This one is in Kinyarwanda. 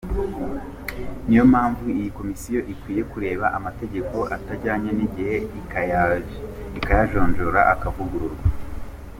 Ni yo mpamvu iyi Komisiyo ikwiye kureba amategeko atajyanye n’igihe ikayajonjora akavugururwa.